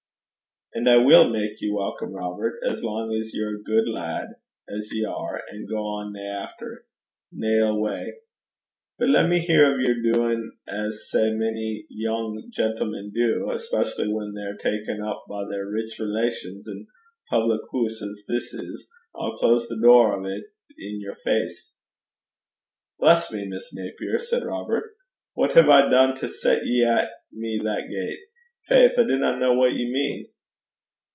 'An' I will mak ye welcome, Robert, as lang's ye're a gude lad, as ye are, and gang na efter nae ill gait. But lat me hear o' yer doin' as sae mony young gentlemen do, espeacially whan they're ta'en up by their rich relations, an', public hoose as this is, I'll close the door o' 't i' yer face.' 'Bless me, Miss Naper!' said Robert, 'what hae I dune to set ye at me that gait? Faith, I dinna ken what ye mean.'